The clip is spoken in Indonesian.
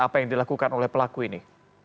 apa yang dilakukan oleh pelaku ini